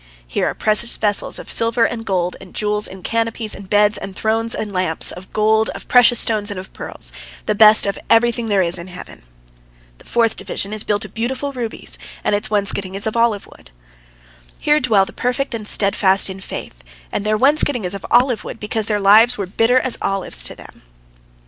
Here are precious vessels of silver and gold and jewels and canopies and beds and thrones and lamps, of gold, of precious stones, and of pearls, the best of everything there is in heaven. The fourth division is built of beautiful rubies, and its wainscoting is of olive wood. Here dwell the perfect and the steadfast in faith, and their wainscoting is of olive wood, because their lives were bitter as olives to them.